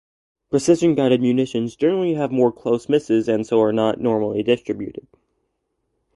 Precision-guided munitions generally have more "close misses" and so are not normally distributed.